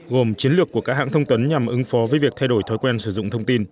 gồm chiến lược của các hãng thông tấn nhằm ứng phó với việc thay đổi thói quen sử dụng thông tin